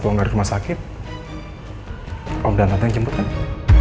om dan tante yang jemputnya